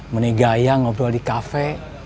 menikah ya ngobrol di cafe